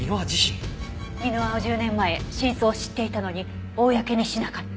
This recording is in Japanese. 箕輪は１０年前真相を知っていたのに公にしなかった。